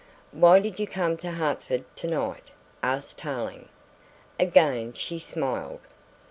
"Why did you come to Hertford to night?" asked Tarling. Again she smiled.